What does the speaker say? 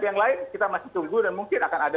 yang lain kita masih tunggu dan mungkin akan ada